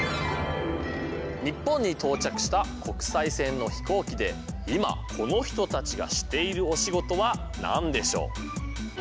日本に到着した国際線の飛行機で今この人たちがしているお仕事は何でしょう？